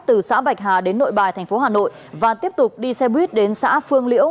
từ xã bạch hà đến nội bài thành phố hà nội và tiếp tục đi xe buýt đến xã phương liễu